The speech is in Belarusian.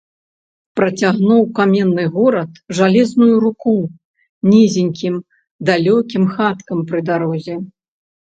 Працягнуў каменны горад жалезную руку нізенькім, далёкім хаткам пры дарозе.